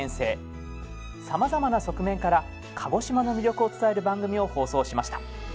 さまざまな側面から鹿児島の魅力を伝える番組を放送しました。